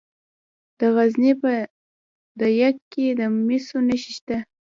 د غزني په ده یک کې د مسو نښې شته.